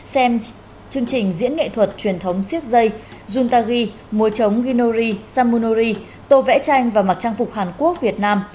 xem chương trình diễn nghệ thuật truyền thống siếc dây juntagi mùa trống ginori samunori tô vẽ tranh và mặc trang phục hàn quốc việt nam